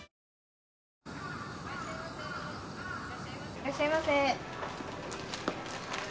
いらっしゃいませ。